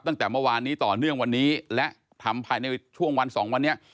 ตั้งแต่เมื่อวานนี้ต่อเนื่องวันนี้และทำภายในช่วงวันสองวันนี้